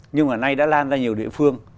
nhưng mà nay đã lan ra nhiều địa phương